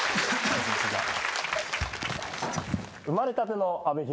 生まれたての阿部寛。